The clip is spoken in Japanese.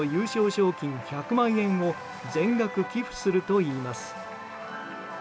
賞金１００万円を全額寄付するといいます。